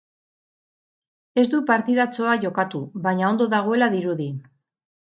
Ez du partidatxoa jokatu baina ondo dagoela dirudi.